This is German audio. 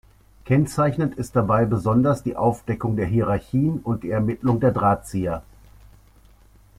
Kennzeichnend ist dabei besonders die Aufdeckung der Hierarchien und die Ermittlung der Drahtzieher.